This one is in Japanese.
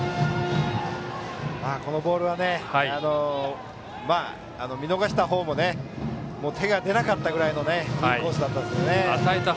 このボールはね見逃した方もね手が出なかったぐらいのいいコースでした。